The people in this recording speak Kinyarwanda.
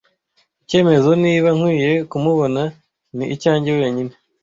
Icyemezo niba nkwiye kumubona ni icyanjye wenyine.